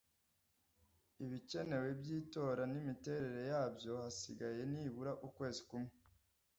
ibikenewe by’itora n’imiterere yabyo hasigaye nibura ukwezi kumwe